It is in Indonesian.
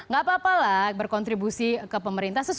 gak apa apa lah berkontribusi ke pemerintah